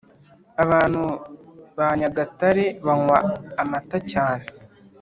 Abantu banyagatare banywa amata cyane